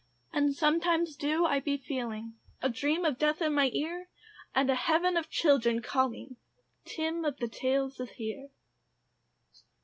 And sometimes do I be feeling A dream of death in my ear, And a heaven of children calling, "Tim of the Tales is here."